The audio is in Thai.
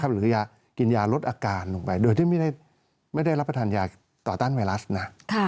หรือกินยาลดอาการลงไปโดยที่ไม่ได้รับประทานยาต่อต้านไวรัสนะ